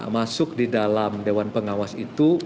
masuk di dalam dewan pengawas itu